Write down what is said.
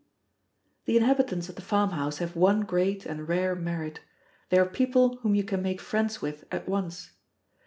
The inhabitants of the farmhouse have one great and rare merit they are people whom you can make friends with at once.